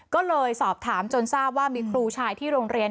ก็เลยสอบถามจนทราบว่ามีครูชายที่โรงเรียน